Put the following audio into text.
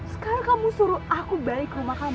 sekarang kamu suruh aku balik rumah kamu